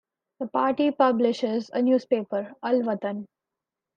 The party publishes a newspaper, "Al Watan".